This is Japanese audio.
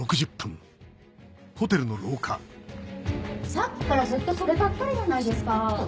さっきからずっとそればっかりじゃないですか！